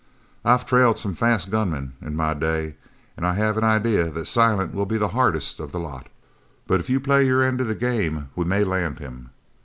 I've trailed some fast gunmen in my day, and I have an idea that Silent will be the hardest of the lot; but if you play your end of the game we may land him.